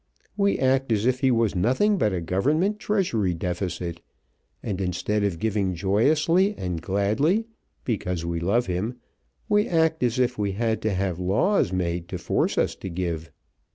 We act as if he was nothing but a government treasury deficit, and instead of giving joyously and gladly because we love him, we act as if we had to have laws made to force us to give.